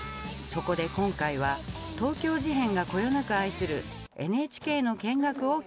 そこで今回は東京事変がこよなく愛するＮＨＫの見学を企画。